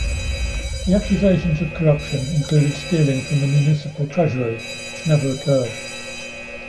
The accusations of corruption included stealing from the municipal treasury, which never occurred.